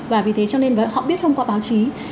và vì thế cho nên họ biết thông qua báo chí